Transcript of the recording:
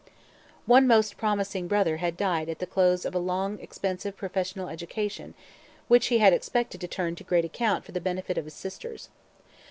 One most promising brother had died at the close of a long, expensive professional education, which he had expected to turn to great account for the benefit of his sisters.